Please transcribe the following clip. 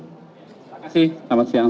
terima kasih selamat siang